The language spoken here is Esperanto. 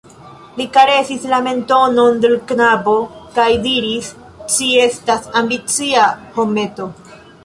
Li karesis la mentonon de l' knabo kaj diris: "Ci estas ambicia, hometo!"